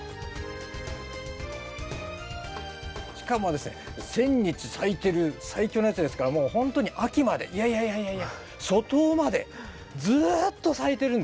しかもですね千日咲いてる最強のやつですからもうほんとに秋までいやいやいやいやいや初冬までずっと咲いてるんですよ。